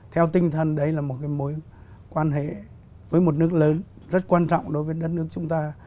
theo tinh thần đấy là một mối quan hệ với một nước lớn rất quan trọng đối với đất nước chúng ta